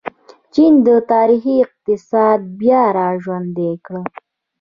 چین د تاریخي اقتصاد بیا راژوندی کړ.